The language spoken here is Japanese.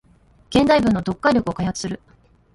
現代文の読解力を開発する